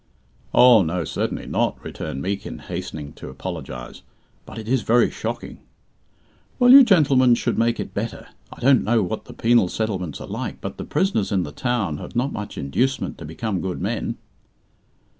"Oh, no; certainly not," returned Meekin, hastening to apologize. "But it is very shocking." "Well, you gentlemen should make it better. I don't know what the penal settlements are like, but the prisoners in the town have not much inducement to become good men."